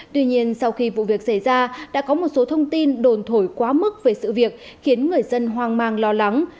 tuy nhiên sau khi vụ việc xảy ra đã có một số thông tin đồn thổi quá mức về sự việc khiến người dân hoang mang lo lắng